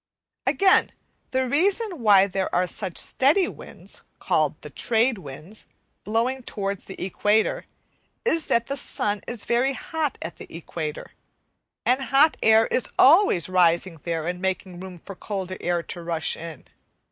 Again, the reason why there are such steady winds, called the trade winds, blowing towards the equator, is that the sun is very hot at the equator, and hot air is always rising there and making room for colder air to rush in.